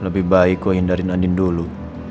lebih baik kok hindarin andin dulu